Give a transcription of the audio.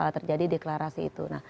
terjadi deklarasi itu